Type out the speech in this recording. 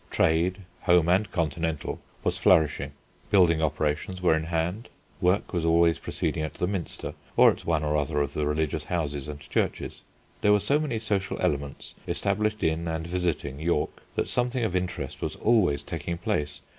Trade, home and continental, was flourishing. Building operations were in hand; work was always proceeding at the Minster or at one or other of the religious houses and churches. There were so many social elements established in and visiting York that something of interest was always taking place.